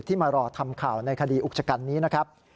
ที่มารอทำข่าวในค่ะดีอุกจกรรมนี้นะครับ